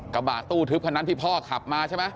กระบะตู้ทึบคันนั้นที่พ่อขับมาใช่ไหม